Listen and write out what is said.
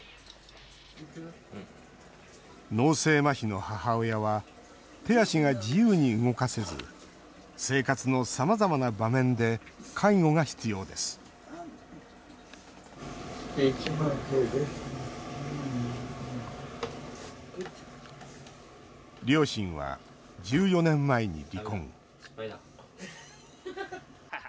脳性まひの母親は手足が自由に動かせず生活のさまざまな場面で介護が必要です両親は、１４年前に離婚。